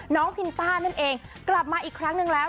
พินต้านั่นเองกลับมาอีกครั้งนึงแล้ว